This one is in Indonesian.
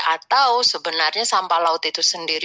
atau sebenarnya sampah laut itu sendiri